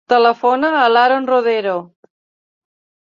Telefona a l'Haron Rodero.